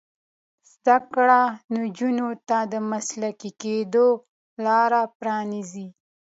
زده کړه نجونو ته د مسلکي کیدو لار پرانیزي.